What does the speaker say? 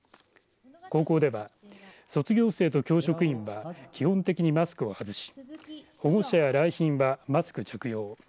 高校では卒業生と教職員が基本的にマスクを外し保護者や来賓はマスク着用